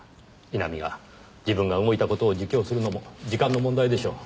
井波が自分が動いた事を自供するのも時間の問題でしょう。